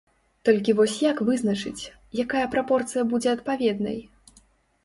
Толькі вось як вызначыць, якая прапорцыя будзе адпаведнай?